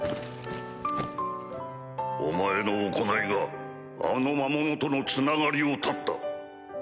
お前の行いがあの魔物とのつながりを絶った。